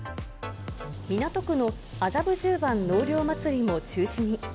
港区の麻布十番納涼まつりも中止に。